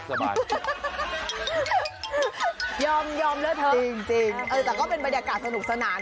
แต่ก็เป็นบรรยากาศสนุกสนาน